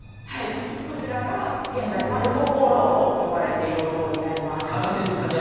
はいそちらが現在マルコ・ポーロと呼ばれているお像になります。